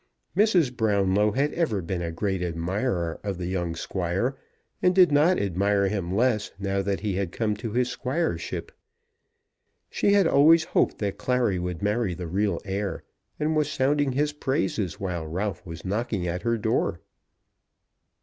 Mrs. Brownlow had ever been a great admirer of the young Squire, and did not admire him less now that he had come to his squireship. She had always hoped that Clary would marry the real heir, and was sounding his praises while Ralph was knocking at her door.